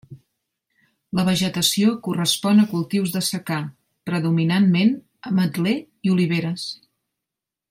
La vegetació correspon a cultius de secà, predominantment ametler i oliveres.